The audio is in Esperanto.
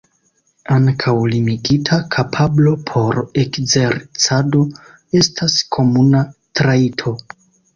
Ankaŭ limigita kapablo por ekzercado estas komuna trajto.